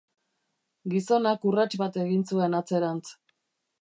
Gizonak urrats bat egin zuen atzerantz.